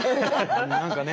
何かね